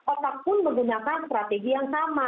otak pun menggunakan strategi yang sama